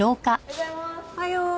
おはよう。